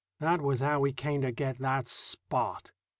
That was how we came to get that Spot.